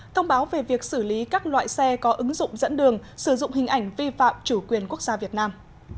thông báo về việc xử lý các loại xe có ứng dụng dẫn đường sử dụng hình ảnh vi phạm chủ quyền quốc gia việt nam